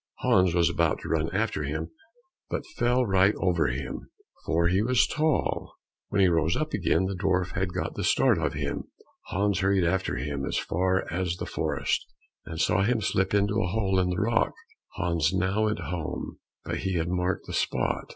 Hans was about to run after him, but fell right over him, for he was so tall. When he rose up again, the dwarf had got the start of him. Hans hurried after him as far as the forest, and saw him slip into a hole in the rock. Hans now went home, but he had marked the spot.